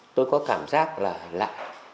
tôi có cảm giác là lạ